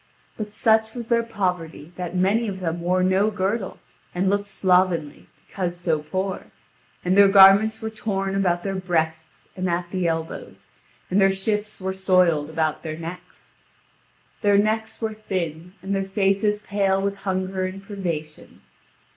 But such was their poverty, that many of them wore no girdle, and looked slovenly, because so poor; and their garments were torn about their breasts and at the elbows, and their shifts were soiled about their necks. Their necks were thin, and their faces pale with hunger and privation.